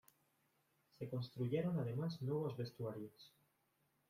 Se construyeron además nuevos vestuarios.